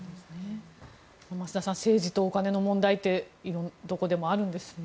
増田さん政治とお金の問題ってどこでもあるんですね。